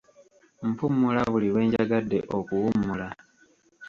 Mpummula buli lwe njagadde okuwummula.